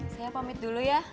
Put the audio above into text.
saya pamit dulu ya